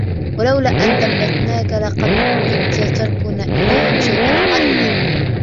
وَلَوْلَا أَنْ ثَبَّتْنَاكَ لَقَدْ كِدْتَ تَرْكَنُ إِلَيْهِمْ شَيْئًا قَلِيلًا